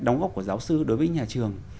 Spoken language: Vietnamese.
đóng góp của giáo sư đối với nhà trường